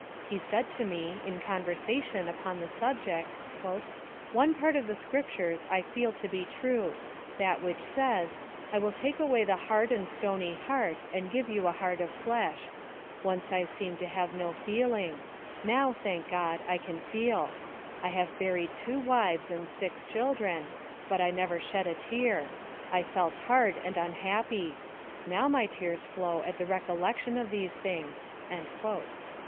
He said to me, in conversation upon the subject :" One pan of the scriptures 1 feel to be true — that which says. I will take away the hard and stony heart, and give you a heart of flesh. Once I seemed to nave no feeling ; now, thank God, I can feel. I have buried two wives and six children, but 1 nevci shed a tear —I felt hard and unhappy — now my tears flow at the recollection of these thino^s."